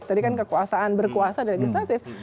tadi kan kekuasaan berkuasa di legislatif